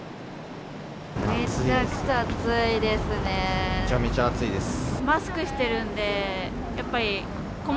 めちゃくちゃ暑いですね。